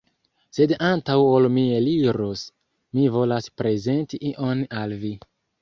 Sed antaŭ ol mi eliros, mi volas prezenti ion al vi